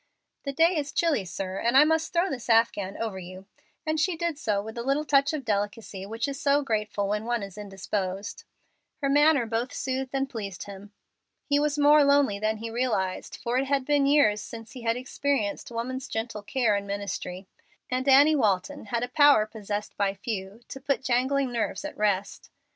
"The day is chilly, sir, and I must throw this afghan over you;" and she did so with a little touch of delicacy which is so grateful when one is indisposed. Her manner both soothed and pleased him. He was more lonely than he realized, for it had been years since he had experienced woman's gentle care and ministry; and Annie Walton had a power possessed by few to put jangling nerves at rest.